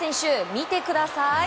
見てください。